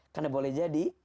karena boleh jadi